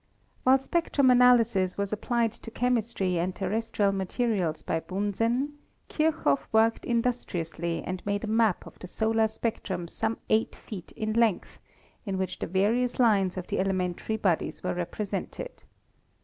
While spectrum analysis was applied to chemistry and terrestrial materials by Bunsen, Kirchoff worked industri ously and made a map of the solar spectrum some eight feet in length, in which the various lines of the ele mentary bodies were represented.